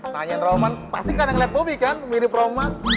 tanyain roman pasti kadang liat bobi kan mirip roman